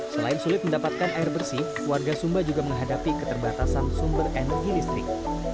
selain sulit mendapatkan air bersih warga sumba juga menghadapi keterbatasan sumber energi listrik